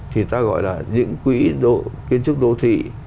thì ta gọi là những quỹ kiến trúc đô thị